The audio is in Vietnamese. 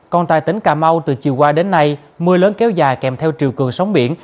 còn tại tỉnh cà mau từ chiều qua đến nay mưa lớn kéo dài kèm theo chiều cường sóng biển